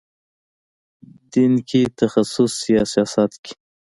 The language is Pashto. دین کې تخصص یا سیاست کې.